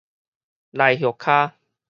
鴟鴞跤